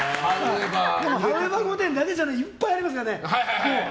ハウエバー御殿だけじゃなくていっぱいありますからね。